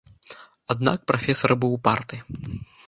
Аднак прафесар быў упарты.